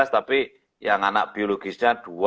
tapi yang anak biologisnya dua